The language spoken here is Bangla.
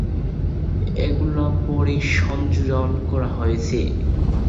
এগুলো পরে সংযোজন করা হয়েছে।